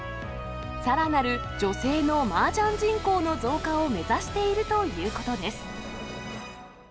さらなる女性のマージャン人口の増加を目指しているということです。